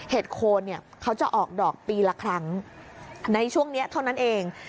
โคนเนี่ยเขาจะออกดอกปีละครั้งในช่วงนี้เท่านั้นเอง